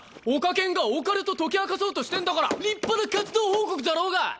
⁉オカ研がオカルト解き明かそうとしてんだから立派な活動報告だろうが！